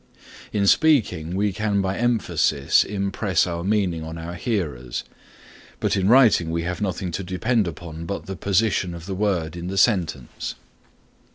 In speaking we can by emphasis impress our meaning on our hearers, but in writing we have nothing to depend upon but the position of the word in the sentence.